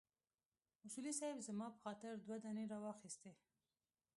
اصولي صیب زما په خاطر دوه دانې راواخيستې.